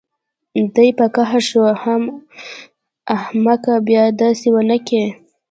دى په قهر شو حم احمقه بيا دسې ونکې.